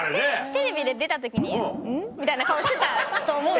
テレビで出た時に「ん？」みたいな顔してたと思うんで。